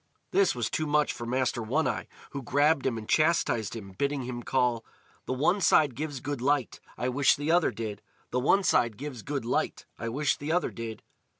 This was too much for Master One eye, who grabbed him and chastised him, bidding him call: "The one side gives good light, I wish the other did! The one side gives good light, I wish the other did!"